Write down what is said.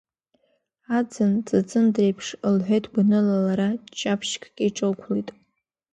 Аӡын ҵыҵындреиԥш, — лҳәеит гәаныла лара, ччаԥшькгьы иҿықәлеит.